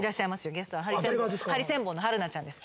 ゲストはハリセンボンの春菜ちゃんです